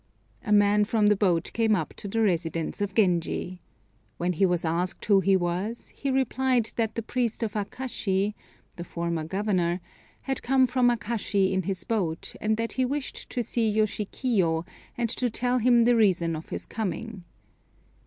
A man from the boat came up to the residence of Genji. When he was asked who he was, he replied that the priest of Akashi (the former Governor) had come from Akashi in his boat, and that he wished to see Yoshikiyo, and to tell him the reason of his coming.